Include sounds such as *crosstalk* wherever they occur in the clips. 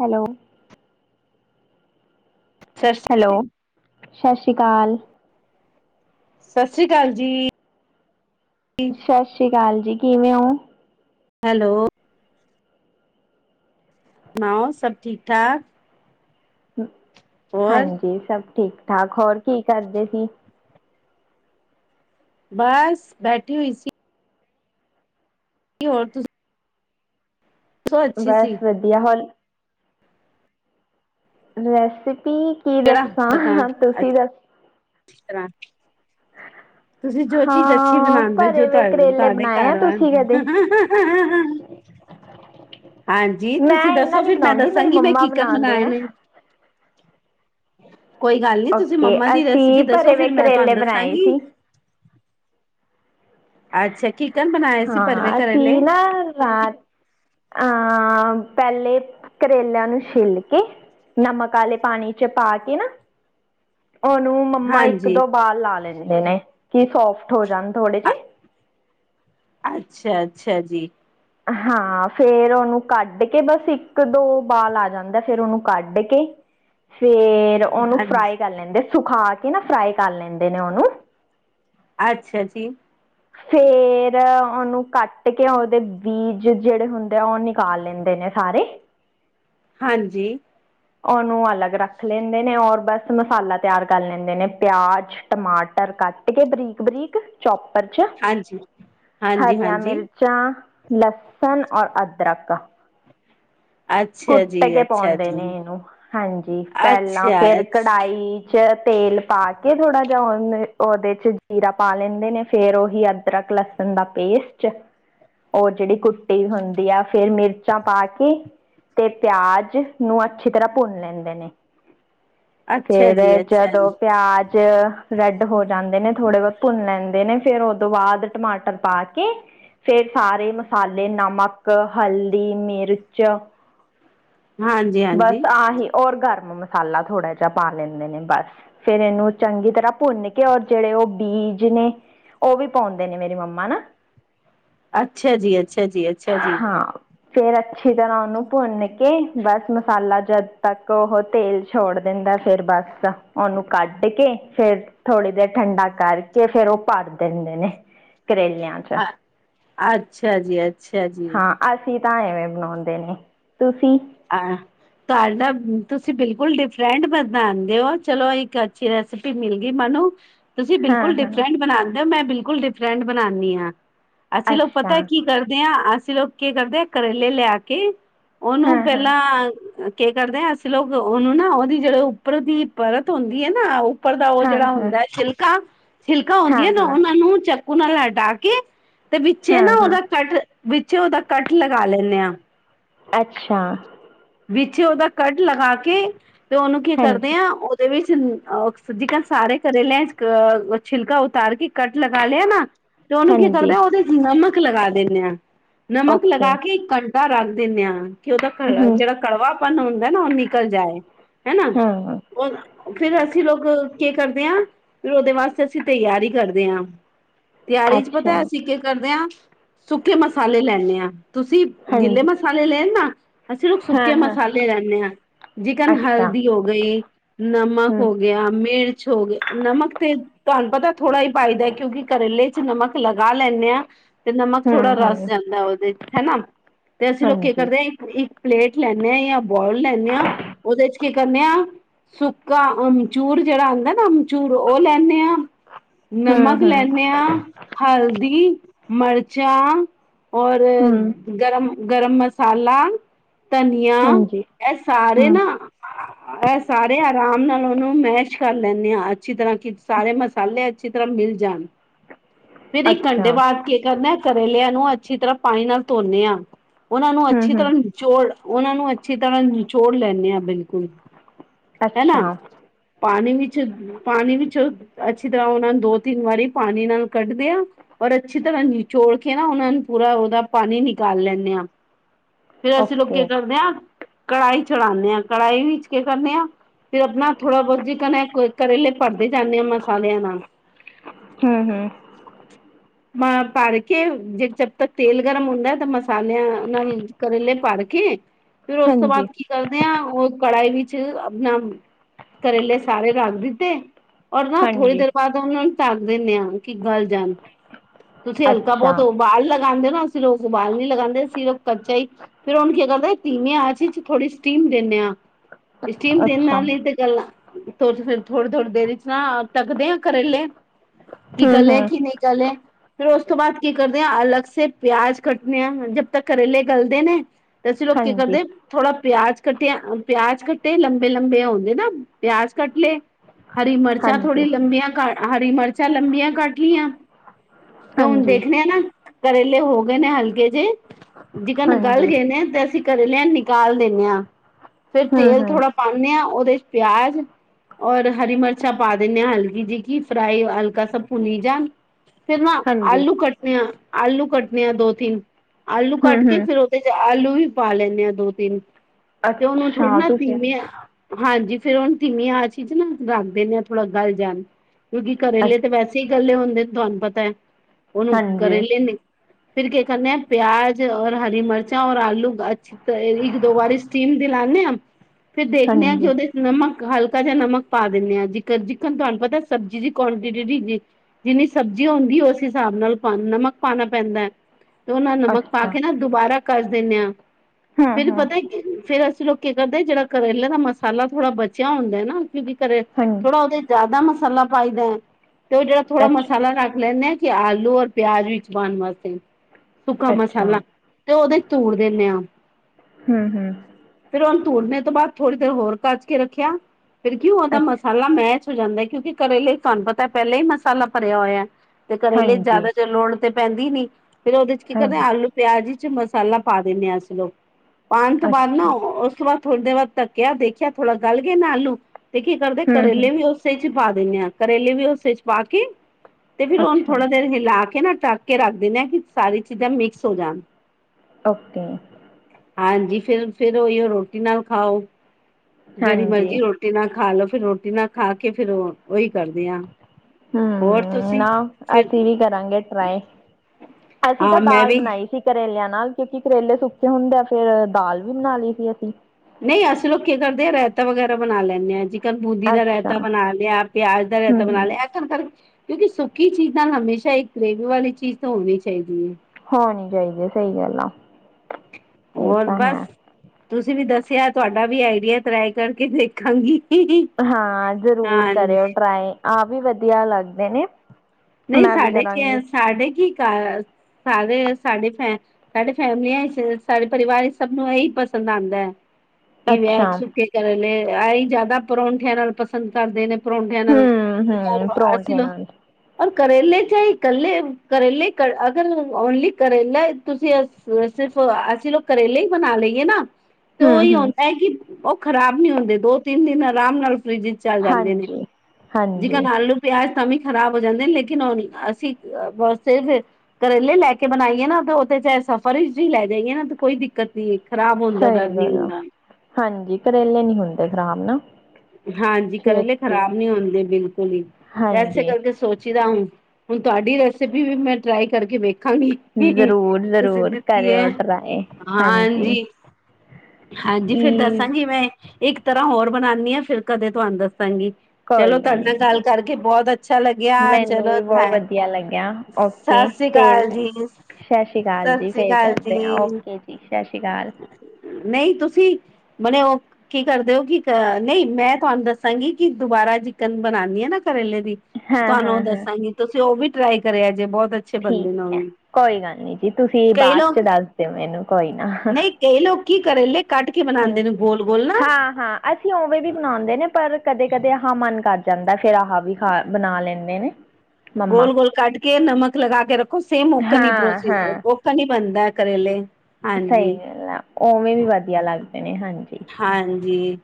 Hello ਸ hello, ਸ ਸ਼੍ਰੀ ਕਾਲ। ਸ ਸ਼੍ਰੀ ਕਾਲ ਜੀ। ਸ ਸ਼੍ਰੀ ਕਾਲ ਜੀ ਕਿਵੇਂ ਓ? ਹੈਲੋ ਸੁਣਾਓ ਸਭ ਠੀਕ ਠਾਕ? ਹੋਰ ਹਾਂਜੀ ਸਭ ਠੀਕ ਠਾਕ ਹੋਰ ਕੀ ਕਰਦੇ ਸੀ? ਬਸ ਬੈਠੀ ਹੋਈ ਸੀ। ਕੀ ਹੋਰ ਤੁਸ ਸੀ ਬਸ ਵਧੀਆ ਹੋਲ ਰੈਸਪੀ ਕੀ ਕਿਹੜਾ ਦੱਸਾਂ ਤੁਸੀਂ ਦੱਸ ਤਰਾ ਤੁਸੀਂ ਜੋ ਚੀਜ਼ ਅੱਛੀ ਹਾਂ ਬਣਾਦੇ ਓ ਭਰੇ ਜੋ ਹੋਏ ਤੁ ਕਰੇਲੇ ਤੁਹਾਡੇ ਬਣਾਏ ਆ ਘਰ ਤੁਸੀਂ ਕਦੇ? ਵ ਹਾਂਜੀ ਮੈਂ ਤੁਸੀਂ ਇਹਨਾਂ ਦੱਸੋ ਨੀ ਫਿਰ ਮੈਂ ਬਣਾਉਂਦੀ ਮੇਰੀ ਦੱਸਾਂਗੀ ਮੈਂ ਮੰਮਾ ਕੀਕਨ ਬਣਾਉਂਦੇ ਬਨਾਏ ਆ। ਨੇ। ਕੋਈ ਗੱਲ ਨੀ ਤੁਸੀਂ ਓਕੇ ਮੰਮਾ ਦੀ ਰੈਸਿਪੀ ਅਸੀਂ ਦੱਸੋ ਭਰੇ ਹੋਏ ਫਿਰ ਮੈਂ ਤੁਹਾਨੂੰ ਕਰੇਲੇ ਬਣਾਏ ਦੱਸਾਂਗੀ। ਸੀ। ਅੱਛਾ ਕੀਕਨ ਬਣਾਏ ਸੀ ਭਰਵੇ ਹਾਂ ਕਰੇਲੇ ਅਸੀਂ ਨਾ ਰਾ ਅ ਪਹਿਲੇ ਕਰੇਲਿਆਂ ਨੂੰ ਛਿੱਲ ਕੇ ਨਮਕ ਆਲੇ ਪਾਣੀ 'ਚ ਪਾ ਕੇ ਨਾ ਉਨੂੰ ਮੰਮਾ ਹਾਂਜੀ ਇੱਕ-ਦੋ ਬਾਲ ਲਾ ਲੈਂਦੇ ਨੇ ਕਿ ਸੋਫਟ ਹੋ ਜਾਣ ਥੋੜੇ ਜੇ। ਅੱਛਾ-ਅੱਛਾ ਜੀ। ਹਾਂ ਫੇਰ ਉਨੂੰ ਕੱਢ ਕੇ ਬਸ ਇੱਕ-ਦੋ ਬਾਲ ਆ ਜਾਂਦਾ ਫੇਰ ਉਨੂੰ ਕੱਢ ਕੇ ਫੇਰ ਉਨੂੰ ਹਾਂਜੀ ਫਰਾਈ ਕਰ ਲੈਂਦੇ, ਸੁਖਾ ਕੇ ਨਾ ਫਰਾਈ ਕਰ ਲੈਂਦੇ ਨੇ ਉਨੂੰ। ਅੱਛਾ ਜੀ। ਫੇਰ ਉਨੂੰ ਕੱਟ ਕੇ ਨਾ ਉਦੇ ਬੀਜ ਜਿਹੜੇ ਹੁੰਦੇ ਆ ਓ ਨਿਕਾਲ ਲੈਂਦੇ ਨੇ ਸਾਰੇ। ਹਾਂਜੀ। ਉਨੂੰ ਅਲੱਗ ਰੱਖ ਲੈਂਦੇ ਨੇ ਔਰ ਬਸ ਮਸਾਲਾ ਤਿਆਰ ਕਰ ਲੈਂਦੇ ਨੇ ਪਿਆਜ ਟਮਾਟਰ ਕੱਟ ਕੇ ਬਰੀਕ-ਬਰੀਕ ਚੋਪਰ 'ਚ ਹਾਂਜੀ, ਹਾਂਜੀ, ਹਰੀਆਂ ਹਾਂਜੀ ਮਿਰ ਚਾ, ਲਸਣ ਔਰ ਅਦਰਕ ਅੱਛਾ ਕੁੱਟ ਜੀ, ਕੇ ਅੱਛਾ ਪਾਉਂਦੇ ਜੀ। ਨੇ ਏਨੂੰ ਹਾਂਜੀ ਪਹਿਲਾਂ ਅੱਛਾ, ਫੇਰ ਅੱਛਾ ਕਢਾਈ ਤੇਲ ਪਾ ਕੇ ਥੋੜਾ ਜਾ ਹੁਣ ਉਦੇ 'ਚ ਜੀਰਾ ਪਾ ਲੈਂਦੇ ਨੇ ਫੇਰ ਉਹੀ ਅਦਰਕ, ਲਸ ਣ ਦਾ ਪੇਸਟ ਓ ਜਿਹੜੀ ਕੁੱਟੀ ਹੁੰਦੀ ਆ ਫੇਰ ਮਿਰਚਾਂ ਪਾ ਕੇ 'ਤੇ ਪਿਆਜ ਨੂੰ ਅੱਛੀ ਤਰਾ ਭੁੰਨ ਲੈਂਦੇ ਨੇ। ਅੱਛਾ ਫੇਰ ਜੀ, ਅੱਛਾ ਜੀ। ਜਦੋਂ ਪਿਆਜ 'ਚ ਰੈਡ ਹੋ ਜਾਂਦੇ ਨੇ ਥੋੜੇ ਬੋਤ ਭੁੰਨ ਲੈਂਦੇ ਨੇ ਫੇਰ ਉਦੋਂ ਬਾਅਦ ਟਮਾਟਰ ਪਾ ਕੇ ਫੇਰ ਸਾਰੇ ਮਸਾਲੇ ਨਮਕ, ਹਲਦੀ, ਮਿਰਚ ਹਾਂਜੀ। ਹਾਂਜੀ ਬਸ ਆਹੀ ਔਰ ਗਰਮ ਮਸਾਲਾ ਥੋੜਾ ਜਾ ਪਾ ਲੈਂਦੇ ਨੇ ਬਸ। ਫੇਰ ਏਨੂੰ ਚੰਗੀ ਤਰਾ ਭੁੰਨ ਕੇ ਔਰ ਜਿਹੜੇ ਓ ਬੀਜ ਨੇ ਓ ਵੀ ਪਾਉਂਦੇ ਨੇ ਮੇਰੇ ਮੰਮਾ ਨਾ। ਅੱਛਾ ਜੀ ਅੱਛਾ ਜੀ ਅੱਛਾ ਜੀ। ਹਾਂ ਫੇਰ ਅੱਛੀ ਤਰਾ ਉਨੂੰ ਭੁੰਨ ਕੇ ਬਸ ਮਸਾਲਾ ਜਦ ਤੱਕ ਉਹ ਤੇਲ ਛੋੜ ਦਿੰਦਾ ਫੇਰ ਬੱਸ ਉਨੂੰ ਕੱਢ ਕੇ ਫੇਰ ਥੋੜੀ ਦੇਰ ਠੰਡਾ ਕਰਕੇ ਫੇਰ ਓ ਭਰ ਦਿੰਦੇ ਨੇ ਕਰੇਲਿਆਂ 'ਚ। ਅੱਛਾ ਜੀ ਅੱਛਾ ਜੀ। ਹਾਂ ਅਸੀਂ ਤਾਂ ਐਵੇਂ ਬਣਾਉਂਦੇ ਨੇ, ਤੁਸੀਂ? ਅ ਤੁਹਾਡ ਤੁਸੀਂ ਬਿਲਕੁਲ ਡਿਫਰੈਂਟ ਬਣਾਂਦੇ ਹੋ, ਚਲੋ ਇੱਕ ਅੱਛੀ ਰੈਸ ਪੀ ਮਿਲ ਗਈ ਮੈਨੂੰ ਤੁਸੀਂ ਹਾਂ ਬਿਲਕੁਲ ਹਾਂ ਡਿਫਰੈਂਟ ਬਣਾਦੇ ਹੋ, ਮੈਂ ਬਿਲਕੁਲ ਡਿਫਰੈਂਟ ਬਣਾਣੀ ਆ ਅਸੀਂ ਲੋਕ ਅੱਛਾ ਪਤਾ ਕੀ ਕਰਦੇ ਆ ਅਸੀਂ ਲੋਕ ਕੀ ਕਰਦੇ ਆ ਕਰੇਲੇ ਲਿਆ ਕੇ, ਉਹਨੂੰ ਹਾਂ ਹਾਂ ਤਾ ਕੇ ਕਰਦੇ ਆ ਅਸੀਂ ਲੋਗ ਉਹਨੂੰ ਨਾ ਉਹਦੀ ਜਿਹੜੀ ਉੱਪਰ ਦੀ ਪਰਤ ਹੁੰਦੀ ਐ ਨਾ ਉੱਪਰ ਦਾ ਉਹ ਹਾਂ ਜਿਹੜਾ ਹਾਂ ਹੁੰਦਾ ਛਿਲਕਾ, ਛਿਲਕਾ ਹਾਂ ਹੁੰਦੀਆਂ ਨਾ ਹਾਂ ਉਹਨਾ ਨੂੰ ਚਕ ਕੁ ਨਾਲ ਹਟਾ ਕੇ ਤੇ ਵਿਚੇ ਨਾ ਹਾਂ ਹਾਂ ਉਹਦਾ ਕੱਟ ਵਿਚੇ ਉਹਦਾ ਕੱਟ ਲਗਾ ਲੈਣੇ ਆ ਅੱਛਾ ਵਿਚੇ ਉਹਦਾ ਕੱਟ ਲਗਾ ਕੇ ਤੇ ਉਹਨੂੰ ਕੀ ਕਰਦੇ ਹਾਂਜੀ ਆ, ਉਹਦੇ ਵਿੱਚ ਜਿਕਨ ਸਾਰੇ ਕਰੇਲੇ ਅ ਛਿਲਕਾ ਉਤਾਰ ਕੇ ਕੱਟ ਲਗਾ ਲਿਆ ਨਾ ਤੇ ਉਹਨੂੰ ਕੀ ਹਾਂਜੀ ਕਰਦੇ ਆ ਉਹਦੇ ਚ ਨਮਕ ਲਗਾ ਦੇਣੇ ਆ, ਨਮਕ ਲਗਾ ਓਕੇ ਕੇ ਕਟ ਤਾਂ ਰੱਖ ਦਿੰਦੇ ਆ ਕਿ ਉਹਦਾ ਹੂੰ ਜਿਹੜਾ ਕੜ-ਕੜਵਾਪਨ ਹੁੰਦੈ ਨਾ ਉਹ ਨਿਕਲ ਜਾਏ। ਹੈਨਾ ਹਾਂ ਉ ਫੇਰ ਅਸੀਂ ਲੋਕ ਕੇ ਕਰਦੇ ਆ, ਫੇਰ ਉਹਦੇ ਵਾਸਤੇ ਅਸੀਂ ਤਿਆਰੀ ਕਰਦੇ ਆ ਤਿਆਰੀ ਚ ਅੱਛਾ ਪਤਾ ਅਸੀਂ ਕੇ ਕਰਦੇ ਆ, ਸੁੱਕੇ ਮਸਾਲੇ ਲੈਣੇ ਆ, ਤੁਸੀਂ ਗਿੱਲੇ ਹਾਂਜੀ ਮਸਾਲੇ ਲਏ ਨਾ, ਅਸੀਂ ਲੋਕ ਹਾਂ ਸੁੱਕੇ ਹਾਂ ਮਸਾਲੇ ਲੈਣੇ ਆ ਜਿਕਨ ਅੱਛਾ ਹਲਦੀ ਹੋ ਗਈ, ਨਮਕ ਹੂੰ ਹੋ ਗਿਆ, ਮਿਰਚ ਹੋ ਗ ਨਮਕ ਤੇ ਤੁਹਾਨੂੰ ਪਤਾ ਥੋੜ੍ਹਾ ਹੀ ਪਾਈਦਾ ਕਿਉਂਕਿ ਕਰੇਲੇ ਚ ਨਮਕ ਲਗਾ ਲੈਣੇ ਆ ਤੇ ਨਮਕ ਥੋੜਾ ਹੂੰ ਰਸ ਹੂੰ ਜਾਂਦੈ ਉਹਦੇ ਚ, ਹੈਨਾ ਤੇ ਅਸੀਂ ਲੋਕੀ ਕੀ ਹਾਂਜੀ ਕਰਦੇ ਆ ਇੱਕ ਪਲੇਟ ਲੈਣੇ ਆ ਜਾ ਬਾਓਲ ਲੈਣੇ ਆ ਉਹਦੇ ਚ ਕੀ ਕਰਨੇ ਆ ਸੁੱਕਾ ਅਮਚੂਰ ਜਿਹੜਾ ਆਂਦਾ ਨਾ ਅਮਚੂਰ ਉਹ ਲੈਣੇ ਆ ਹੂੰ ਨਮਕ ਹੂੰ ਲੈਣੇ ਆ, ਹਲਦੀ, ਮਰਚਾਂ ਔਰ ਹੂੰ ਗਰਮ ਗਰਮ-ਮਸਾਲਾ ਧਨੀਆ ਹਾਂਜੀ ਐਹ ਸਾਰੇ ਹੂੰ ਨਾ ਐ ਸਾਰੇ ਆਰਾਮ ਨਾਲ ਉਹਨੂੰ ਮੈਸ਼ ਕਰ ਲੈਣੇ ਆ ਅੱਛੀ ਤਰ੍ਹਾਂ ਕੀ ਸਾਰੇ ਮਸਾਲੇ ਅੱਛੀ ਤਰ੍ਹਾਂ ਮਿਲ ਜਾਣ ਫੇਰ ਇੱਕ ਘੰਟੇ ਅੱਛਾ ਬਾਅਦ ਕੀ ਕਰਨੈ ਕਰੇਲਿਆਂ ਨੂੰ ਅੱਛੀ ਤਰ੍ਹਾਂ ਪਾਣੀ ਨਾਲ ਧੋਣੇ ਆ ਉਹਨਾਂ ਨੂੰ ਹੂੰ ਅੱਛੀ ਹੂੰ ਤਰ੍ਹਾਂ ਨਿਚੋੜ, ਉਹਨਾਂ ਨੂੰ ਅੱਛੀ ਤਰ੍ਹਾਂ ਨਿਚੋੜ ਲੈਣੇ ਆ ਬਿਲਕੁਲ ਹੈਨਾ, ਅੱਛਾ ਪਾਣੀ ਵਿੱਚ ਪਾਣੀ ਵਿੱਚ ਅੱਛੀ ਤਰ੍ਹਾਂ ਉਹਨਾ ਨੂੰ ਦੋ-ਤਿੰਨ ਵਾਰੀ ਪਾਣੀ ਨਾਲ ਕੱਢਦੇ ਆ ਔਰ ਅੱਛੀ ਤਰ੍ਹਾਂ ਨਿਚੋੜ ਕੇ ਨਾ ਉਹਨਾ ਨੂੰ ਪੂਰਾ ਉਹਦਾ ਪਾਣੀ ਨਿਕਾਲ ਲੈਣੇ ਆ ਫੇਰ ਅਸੀਂ ਲੋਕੀ ਕੇ ਓਕੇ ਕਰਦੇ ਆ ਕੜਾਹੀ ਚੜਾਣੇ ਆ, ਕੜਾਹੀ ਵਿੱਚ ਕੇ ਕਰਨੇ ਆ ਤੇ ਆਪਣਾ ਥੋੜਾ ਬਹੁਤ ਜੇ *unintelligible* ਕਰੇਲੇ ਪਰਦੇ ਜਾਨੇ ਆ ਮਸਾਲਿਆਂ ਨਾਲ ਹੁੰ, ਹੁੰ। ਮਾ ਪਰ ਕੇ ਜੇ ਜਦ ਤੱਕ ਤੇਲ ਗਰਮ ਹੁੰਦੈ ਤਾ ਮਸਾਲਿਆਂ ਨਾਲ ਨਲ ਕਰੇਲੇ ਪਰ ਕੇ ਫੇਰ ਉਸ ਤੋਂ ਬਾਅਦ ਹਾਂਜੀ ਕੀ ਕਰਦੇ ਆ ਉਹ ਕੜਾਹੀ ਵਿੱਚ ਆਪਣਾ ਕਰੇਲੇ ਸਾਰੇ ਰੱਖ ਦਿੱਤੇ ਔਰ ਨਾ ਥੋੜ੍ਹੀ ਹਾਂਜੀ ਦੇਰ ਬਾਅਦ ਉਹਨਾਂ ਨੂੰ ਢੱਕ ਦੇਨੇ ਆ ਕਿ ਗਲ ਜਾਣ ਤੁਸੀਂ ਹਲਕਾ ਬਹੁਤ ਅੱਛਾ ਉਬਾਲ ਲਗਾਦੇ ਨਾ, ਅਸੀਂ ਲੋਕ ਉਬਾਲ ਨੀ ਲਗਾਦੇ ਅਸੀ ਲੋਕ ਕੱਚਾ ਹੀ, ਫੇਰ ਉਹਨੂੰ ਕੀ ਕਰਦੇ ਧੀਮੀ ਆਚ ਵਿਚ ਥੋੜੀ ਸਟੀਮ ਦੇਨੇ ਆ, ਸਟੀਮ ਦੇਣ ਅੱਛਾ ਨਾਲ ਈ ਤੇ ਫੇਰ ਥੋੜੀ-ਥੋੜੀ ਦੇਰ ਵਿੱਚ ਨਾ ਤੱਕਦੇ ਆ ਕਰੇਲੇ। ਕੀ ਹੂੰ ਗੱਲੇ ਐ ਹੂੰ ਕਿ ਨਹੀਂ ਗੱਲੇ। ਫਿਰ ਉਸ ਤੋਂ ਬਾਅਦ ਕੀ ਕਰਦੇ ਹਾਂ, ਅਲੱਗ ਸ ਪਿਆਜ ਕੱਟਣੇ ਆ ਜਬ ਤੱਕ ਕਰੇਲੇ ਗਲਦੇ ਨੇ, ਫੇਰ ਅਸ ਕੀ ਹਾਂਜੀ ਕਰਦੇ। ਥੋੜਾ ਪਿਆਜ ਕਟੀਆ ਪਿਆਜ ਕੱਟੇ ਲੰਬੇ-ਲੰਬੇ ਹੁੰਦੈ ਨਾ ਪਿਆਜ ਕੱਟ ਲਏ। ਹਰੀ ਮਿਰਚਾਂ ਹਾਂਜੀ ਥੋੜ੍ਹੀ ਲੰਬੀਆਂ ਕਾ ਹਰੀ ਮਿਰਚਾਂ ਲੰਬੀਆਂ ਕੱਟ ਲਈਆਂ। ਤੇ ਹੁਣ ਹਾਂਜੀ ਦੇਖਣੇ ਆ ਨਾ ਕਰੇਲੇ ਹੋ ਗਏ ਨੇ ਹਲਕੇ ਜਿਹੇ ਜਿਕਨ ਗਲ ਹਾਂਜੀ ਗਏ ਨੇ ਤੇ ਕਰੇਲੇਆ ਨਿਕਾਲ ਦੇਨੇ ਆ, ਫੇਰ ਹੂੰ ਤੇਲ ਹੂੰ ਥੋੜ੍ਹਾ ਪਾਉਂਦੇ ਆ। ਉਹਦੇ ਚ ਪਿਆਜ ਔਰ ਹਰੀ ਮਿਰਚਾਂ ਪਾ ਦਿੰਨੇ ਹਾਂ ਹਲਕੀ ਜੀ, ਕੀ ਫਰਾਈ ਹਲਕਾ ਸਭ ਭੁੰਨੀ ਜਾਣ। ਫਿਰ ਨਾ ਹਾਂਜੀ ਆਲੂ ਕੱਟਣੇ ਆ, ਆਲੂ ਕੱਟਣੇ ਆ ਦੋ-ਤਿੰਨ ਆਲੂ ਹੂੰ ਕੱਟ ਹੂੰ ਕੇ ਫਿਰ ਤੇ ਆਲੂ ਵੀ ਪਾ ਲੈਂਦੇ ਆ ਦੋ ਤਿੰਨ ਤੇ ਉਹਨੂੰ ਥੋੜ੍ਹੀ ਅੱਛਾ ਨਾ ਤੁਸੀਂ ਤੀਵੇਂ ਹਾਂਜੀ, ਫੇਰ ਓਨੂੰ ਧੀਵੀ ਆਚ ਵਿਚ ਨਾ ਰੱਖਦੇ ਨੇ ਆ ਥੋੜ੍ਹਾ ਗੱਲ ਜਾਣ। ਕਿਉਂਕਿ ਘਰੇਲੇ ਤਾਂ ਅੱਛਾ ਵੈਸੇ ਈ ਗਲੇ ਹੁੰਦੇ ਨੇ ਤੁਹਾਨੂੰ ਪਤਾ ਐ, ਉਹਨੂੰ ਹਾਂਜੀ ਘਰੇਲੇ ਫਿਰ ਕੀ ਕਰਨੈ ਪਿਆਜ, ਔਰ ਹਰੀ ਮਿਰਚਾਂ ਔਰ ਆਲੂ ਅੱਛੀ ਤ ਇੱਕ ਦੋ ਵਾਰੀ ਸਟੀਮ ਦਿਲਾਨੇ ਆ, ਫੇਰ ਦੇਖਦੇ ਆ ਕਿ ਹਾਂਜੀ ਉਹਦੇ ਨਮਕ ਹਲਕਾ ਜਿਹਾ ਨਮਕ ਪਾ ਦਿੰਨੇ ਆ, ਜਕਨ ਜਿਕਨ ਤੁਹਾਨੂੰ ਪਤਾ ਸਬਜ਼ੀ ਦੀ ਕੁਆਇਨਟਟੀ ਜਿੰਨੀ ਸਬਜ਼ੀ ਹੁੰਦੀ, ਉਸ ਹਿਸਾਬ ਨਾਲ ਨਮਕ ਪਾਣਾ ਪੈਂਦਾ ਐ। ਤੇ ਉਹ ਨਾ ਨਮਕ ਪਾ ਅੱਛਾ ਕੇ ਨਾ ਦੁਬਾਰਾ ਕਢ ਦਿੰਨੇ ਆਂ। ਹੂੰ ਫੇਰ ਹੂੰ ਪਤਾ ਫੇਰ ਅਸੀਂ ਲੋਕ ਕੀ ਕਰਦੇ, ਜਿਹੜਾ ਕਰੇਲੇ ਦਾ ਮਸਾਲਾ ਥੋੜਾ ਬਚਿਆ ਹੁੰਦਾ ਨਾ, ਕਿਉਂਕਿ ਕਰੇ ਹਾਂਜੀ ਥੋੜਾ ਉਹਦੇ ਜ਼ਿਆਦਾ ਮਸਾਲਾ ਪਾਈਦਾ ਐ ਤੇ ਓ ਜਿਹੜਾ ਥੋੜਾ ਅੱਛਾ ਮਸਾਲਾ ਰੱਖ ਲੈਂਨੇ ਆ ਕਿ ਆਲੂ ਔਰ ਪਿਆਜ ਵਿੱਚ ਪਾਉਣ ਵਾਸਤੇ। ਸੁੱਕਾ ਅੱਛਾ ਮਸਾਲਾ ਤੇ ਉਹਦੇ ਚ ਧੂੜ ਦਿੰਨੇ ਆ। ਹਮ- ਹਮ। ਫੇਰ ਉਹਨੂੰ ਧੂੜਨੇ ਤੋਂ ਬਾਅਦ, ਥੋੜ੍ਹੀ ਦੇਰ ਹੋਰ ਕਜ ਕੇ ਰੱਖਿਆ। ਫਿਰ ਕਿਉਂ ਉਹਦਾ ਅੱਛਾ ਮਸਾਲਾ ਮੈਸ਼ ਹੋ ਜਾਂਦਾ, ਕਿਉਂਕਿ ਘਰੇਲੇ ਚ ਤੁਹਾਨੂੰ ਪਤਾ ਪਹਿਲਾਂ ਹੀ ਮਸਾਲਾ ਭਰਿਆ ਹੋਇਐ। ਤੇ ਕਰੇਲੇ ਜ਼ਿਆਦਾ ਹਾਂਜੀ ਜ ਲੋਣ ਤੇ ਪੈਂਦੀ ਨੀ ਫੇਰ ਉਹਦੇ ਚ ਕੀ ਕਰਨੈ ਹਾਂਜੀ ਆਲੂ ਪਿਆਜ਼ ਚ ਮਸਾਲਾ ਪਾ ਦਿੰਨੇ ਆ ਅਸੀਂ ਓ, ਪਾਣ ਤੋਂ ਬਾਅਦ ਨਾ ਅੱਛਾ ਉਸ ਤੋਂ ਬਾਅਦ ਥੋੜੇ ਦੇਰ ਬਾਅਦ ਧੱਕਿਆ ਦੇਖਿਆ ਥੋੜਾ, ਗਲ ਗੇ ਨੇ ਆਲੂ ਤੇ ਕੀ ਕਰਦੇ ਹੂੰ ਹੂੰ ਕਰੇਲੇ ਵੀ ਉਸ ਉਸੇ ਚ ਪਾ ਦਿੰਨਗ ਆ। ਕਰੇਲੇ ਵੀ ਉਸੇ ਚ ਪਾ ਕੇ ਤੇ ਫੇਰ ਉਹਨੂੰ ਅੱਛਾ ਥੋੜਾ ਦੇਰ ਹਿਲਾ ਕੇ ਨਾ ਟ ਕੇ ਰੱਖ ਦਿਨੇ ਆ ਕਿ ਸਾਰੀ ਚੀਜ਼ਾਂ ਮਿਕਸ ਹੋ ਜਾਣ। ਓਕੇ। ਹਾਂਜੀ। ਫਿਰ -ਫਿਰ ਉਹੀਓ ਰੋਟੀ ਨਾਲ ਖਾਓ, ਜਿਹੜੀ ਹਾਂਜੀ ਮਰਜ਼ੀ ਰੋਟੀ‌ ਰੋਟੀ ਨਾ ਖਾ ਲੋੋ ਫਿਰ ਰੋਟੀ ਨਾ ਖਾ ਕੇ ਫੇਰ, ਉਹੀ ਕਰਦੇ ਆ। ਹੋਰ ਹਮ ਤੁਸੀਂ ਨਾ ਫਿਰ ਅਸੀਂ ਵੀ ਕਰਾਂਗੇ ਟਰਾਈ, ਅਸੀਂ ਤਾਂ ਹਾਂ ਮੈਂ ਦਾਲ ਵੀ ਬਣਾਈ ਸੀ। ਕਰੇਲਿਆਂ ਨਾਲ ਕਿਉਂਕਿ ਕਰੇਲੇ ਸੁੱਕੇ ਹੁੰਦੇ ਆ, ਫਿਰ ਦਾਲ ਵੀ ਬਣਾ ਲਈ ਸੀ ਅਸੀਂ। ਨਹੀਂ ਅਸੀਂ ਲੋਕ ਕਰਦੇ ਹਾਂ, ਰਾਇਤਾ ਵਗੈਰਾ ਬਣਾ ਲੈਂਨੇ ਆ ਜੀ। ਕਦੀ ਬੂਦੀ ਦਾ ਅੱਛਾ ਰਾਇਤਾ ਬਣਾ ਲਿਆ, ਪਿਆਜ ਦਾ ਹੂੰ ਰਾਇਤਾ ਬਣਾ ਲਿਆ ਐਕਣ ਕਰ ਕਿਉਂਕਿ ਸੁੱਕੀ ਚੀਜ਼ ਨਾਲ ਹਮੇਸ਼ਾ ਇੱਕ ਗ੍ਰੇਵੀ ਵਾਲੀ ਚੀਜ਼ ਤਾਂ ਹੋਣੀ ਚਾਹੀਦੀ ਐ। ਹੋਣੀ ਚਾਹੀਦੀ ਐ। ਸਹੀ ਗੱਲ ਆ। ਇਹ ਹੋਰ ਤਾਂ ਹੈ ਬਸ। ਤੁਸੀਂ ਵੀ ਦੱਸਿਐ ਤੁਹਾਡਾ ਵੀ ਆਈਡੀਆ ਟਰਾਈ ਕਰਕੇ ਦੇਖਾਂਗੀ। ਹਾਂ ਜ਼ਰੂਰ ਹਾਂ ਕਰਿਓ ਟਰਾਈ, ਆਹ ਵੀ ਵਧੀਆ ਲੱਗਦੇ ਨੇ। ਨਹੀਂ ਮੈਂ ਵੀ ਸਾਡੇ ਕੀ ਐ ਕਰਾਂਗੀ ਸਾਡੇ ਕੀ ਸਾਰੇ ਸਾਡੇ ਫੈ ਸਾਡੇ ਫੈਮਲੀਆਂ ਸਾਡੇ ਪਰਿਵਾਰ ਸਭ ਨੂੰ ਇਹੀ ਪਸੰਦ ਆਂਦਾ ਐ। ਕਿ ਵੈ ਅੱਛਾ ਸੁੱਕੇ ਕਰੇਲੇ ਆਹੀ ਜਿਆਦਾ ਪਰੌਂਠਿਆਂ ਨਾਲ ਪਸੰਦ ਕਰਦੇ ਨੇ। ਪਰੋਠਿਆ ਨਾਲ ਹੂੰ ਹੂੰ ਪਰੌਂਠੇ *unintelligible* ਨਾਲ ਕਰੇਲੇ ਚ ਹੀ ਕੱਲੇ ਕਰੇਲੇ ਕੜ ਅਗਰ ਓਨਲੀ ਕਰੇਲਾ ਤੁਸੀਂ ਸਿਰਫ ਅਸੀਂ ਲੋਕ ਕਰੇਲੇ ਹੀ ਬਣਾ ਲਈਏ ਨਾ। ਤੇ ਹੂੰ ਉਹੀ ਹੂੰ ਹੁੰਂਦਾ ਐ, ਕਿ ਓ ਖ਼ਰਾਬ ਨਹੀਂ ਹੁੰਦੇ ਦੋ-ਤਿੰਨ ਦਿਨ ਆਰਾਮ ਨਾਲ ਫਰਿੱਜ ਚੱਲ ਜਾਂਦੇ ਨੇ, ਹਾਂਜੀ ਹਾਂਜੀ ਜਿਕਨ ਆਲੂ ਪਿਆਜ ਤਾਂ ਵੀ ਖ਼ਰਾਬ ਹੋ ਜਾਂਦੇ ਨੇ ਲੇਕਿਨ ਓ ਨੀਂ, ਅਸੀਂ ਬੋਤ ਸੇਫ ਏ। ਕਰੇਲੇ ਲੈ ਕੇ ਬਣਾਈਏ ਨਾ ਤੇ ਓਤੇ ਚਾਏ ਸਫ਼ਰ ਏਚ ਲੈ ਜਾਈਏ ਨਾ ਤੇ ਕੋਈ ਦਿੱਕਤ ਵੀ ਖ਼ਰਾਬ ਹੋਨ ਦਾ ਸਹੀ ਡਰ ਨੀ ਗੱਲ ਆ ਹੁੰਦਾ। ਹਾਂਜੀ, ਕਰੇਲੇ ਨੀ ਹੁੰਦੇ ਖ਼ਰਾਬ ਨਾ। ਹਾਂਜੀ, ਕਰਲੇ ਛੇਤੀ ਖ਼ਰਾਬ ਨੀਂ ਹੁੰਦੇ ਬਿਲਕੁਲ ਈ, ਏਸੇ ਹਾਂਜੀ ਕਰਕੇ ਸੋਚੀਦਾ ਹੁ ਹੁਣ ਤੁਹਾਡੀ ਰੈਸਿਪੀ ਵੀ ਮੈਂ ਟਟ੍ਰਾਈ ਕਰਕੇ ਵੇਖਾਂਗੀ। ਜੀ ਜ਼ਰੂਰ ਤੁਸੀ ਜ਼ਰੂਰ ਦਿੱਤੀ ਏ, ਕਰਿਓ ਟਰਾਏ ਹਾਂਜੀ। ਹਾਂਜੀ, ਫਿਰ ਈ ਦੱਸਾਂਗੀ ਮੈਂ ਇੱਕ ਤਰ੍ਹਾਂ ਹੋਰ ਬਣਾਨੀ ਆਂ, ਫਿਰ ਕਦੇ ਤੁਆਂਨ ਦੱਸਾਂਗੀ। ਚਲੋ, ਕੋਈ ਤੁਆਡੇ ਗੱਲ ਨਾਲ ਨਹੀਂ ਕਾਲ ਜੀ ਕਰਕੇ ਬੋਤ ਅੱਛਾ ਲੱਗਿਆ ਮੈਨੂੰ ਚਲੋ, ਵੀ ਬਹੁਤ ਥੈਂਕ ਵਧੀਆ ਲੱਗਿਆ ਸਸ੍ਰੀ ਅਕਾਲ ਜੀ। ਸ਼ਸ਼ੀਕਾਲ ਸਤਿ ਜੀ, ਸ੍ਰੀ ਫੇਰ ਅਕਾਲ ਕਰਦੇ ਆ, ਓਕੇ ਜੀ ਸ਼ਸ਼ੀ ਕਾਲ। ਨਈਂ, ਤੁਸੀਂ ਬਣੇ ਓ ਕੀ ਕਰਦੇ ਓ, ਕਿ ਅ ਨਈਂ ਮੈਂ ਤੁਆਂਨ ਦੱਸਾਂਗੀ ਕਿ ਦੁਬਾਰਾ ਜੀਕਨ ਬਨਾਨੀ ਏਨਾ ਕਰੇਲੇ ਦੀ ਹਾਂ ਤੁਆਂਨੂੰ ਓ ਹਾਂ ਹਾਂ ਦੱਸਾਂਗੀ। ਤੁਸੀਂ ਓ ਵੀ ਟ੍ਰਾਈ ਕਰਿਆ ਜੇ ਬੋਤ ਅ ਠੀਕ ਐ ਕੋਈ ਗੱਲ ਨੀ ਜੀ ਤੁਸੀਂ ਕਈ ਬਾਦ ਚ ਲੋਕ ਦੱਸ ਦੇਓ ਮੈਨੂੰ ਕੋਈ ਨਾ। ਨਹੀਂ ਕਈ ਲੋਕੀ ਕਰੇਲੇ ਕੱਟ ਕੇ ਬਨਾਂਦੇ ਨੇ ਗੋਲ-ਗੋਲ ਨਾ। ਹਾਂ ਹਾਂ ਅਸੀਂ ਓਵੇਂ ਵੀ ਬਨਾਂਦੇ ਨੇ ਪਰ ਕਦੇ ਕਦੇ ਆਹ ਮਨ ਕਰ ਜਾਂਦਾ, ਫੇਰ ਆਹ ਵੀ ਖਾ ਬਨਾਂ ਲੈਂਦੇ ਨੇ। ਮੰਮਾ ਗੋਲ-ਗੋਲ ਕੱਟ ਕੇ ਨਮਕ ਲਗਾ ਕੇ ਰੱਖੋ, ਸੇਮ ਓਕਨ ਈ ਹਾਂ ਹਾਂ ਪ੍ਰੋਸਿਜਰ ਈ ਬਣਦਾ ਕਰੇਲੇ। ਸਈ ਹਾਂਜੀ ਗੱਲ ਐ, ਓਵੇਂ ਵੀ ਵਧੀਆ ਲੱਗਦੇ ਨੇ, ਹਾਂਜੀ। ਹਾਂਜੀ,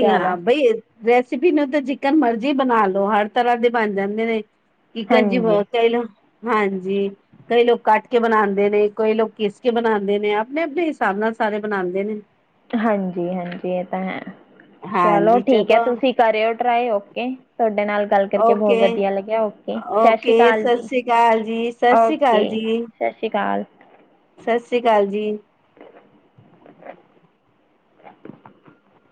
ਚਲੋ ਰੈਸਪੀ ਨੂੰ ਤਾਂ ਜੀਕਨ ਮਰਜ਼ੀ ਬਨਾ ਲੋ, ਹਰ ਤਰਾਂ ਦੇ ਬਣ ਜਾਂਦੇ ਨੇ। ਕਿਕਨ ਜੀ ਹਾਂਜੀ ਬੋਤ ਸਟਾਈਲ ਹੁੰ, ਹਾਂਜੀ। ਕਈ ਲੋਕ ਕੱਟ ਕੇ ਬਨਾਂਦੇ ਨੇ, ਕਈ ਲੋਕ ਚੀਰ ਕੇ ਬਨਾਂਦੇ ਨੇ ਅਪਨੇ-ਅਪਨੇ ਹਿਸਾਬ ਨਾਲ ਸਾਰੇ ਬਨਾਂਦੇ ਨੇ। ਹਾਂਜੀ-ਹਾਂਜੀ, ਏ ਤਾਂ ਹੈ ਚਲੋ ਠੀਕ ਐ, ਤੁਸੀਂ ਕਰਿਓ ਟਰਾਈ ਓਕੇ। ਤੁਆਡੇ ਨਾਲ ਗੱਲ ਕਰਕੇ ਬੋਹ ਓਕੇ ਵਧੀਆ ਲੱਗਿਆ, ਓਕੇ ਸ਼ਸ਼੍ਰੀ ਓਕੇ ਕਾਲ ਸਤਿ ਜੀ, ਸ੍ਰੀ ਅਕਾਲ ਜੀ ਸਤਿ ਸ੍ਰੀ ਓਕੇ। ਸ਼ਸ਼੍ਰੀ ਕਾਲ। ਸਸ੍ਰੀ ਕਾਲ ਜੀ। *inaudible*